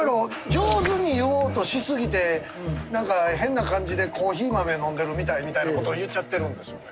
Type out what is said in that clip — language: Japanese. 上手に言おうとしすぎてなんか変な感じで「コーヒー豆飲んでるみたい」みたいな事を言っちゃってるんですよね。